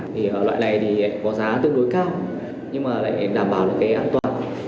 thì loại này thì có giá tương đối cao nhưng mà lại đảm bảo được cái an toàn